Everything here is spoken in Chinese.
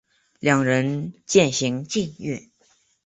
两人渐行渐远